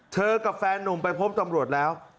กับแฟนนุ่มไปพบตำรวจแล้ว